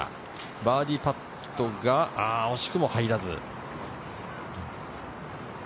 バーディーパットが、惜しくも入らず。